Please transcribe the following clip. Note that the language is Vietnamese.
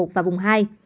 và vùng hai